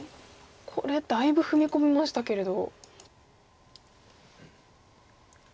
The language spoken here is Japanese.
これだいぶ踏み込みましたけれど。